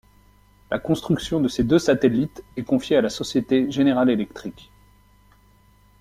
La construction de ces deux satellites est confié à la société General Electric.